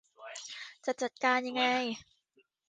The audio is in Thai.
จะจัดการยังไง